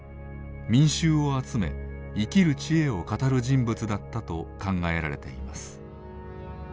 民衆を集め生きる知恵を語る人物だったと考えられています。